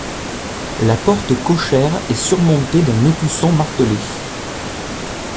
La porte cochère est surmonté d'un écusson martelé.